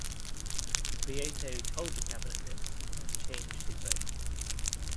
Prieto told the cabinet this and changed his vote.